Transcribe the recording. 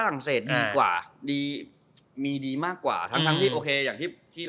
แล้วไม่ได้ไป